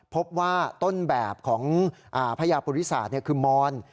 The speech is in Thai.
พบว่าต้นแบบของพญาปุริศาสตร์คือมอน